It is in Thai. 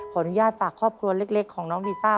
ขออนุญาตฝากครอบครัวเล็กของน้องวีซ่า